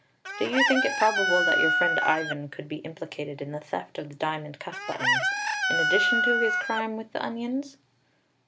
"Do you think it probable that your friend Ivan could be implicated in the theft of the diamond cuff buttons, in addition to his crime with the onions?"